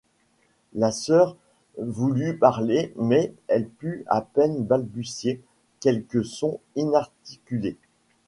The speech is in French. La sœur voulut parler, mais elle put à peine balbutier quelques sons inarticulés.